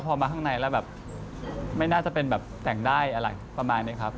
พอมาข้างในแล้วแบบไม่น่าจะเป็นแบบแต่งได้อะไรประมาณนี้ครับ